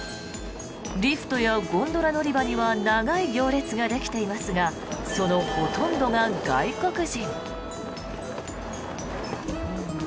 リフトやゴンドラ乗り場には長い行列ができていますがそのほとんどが外国人。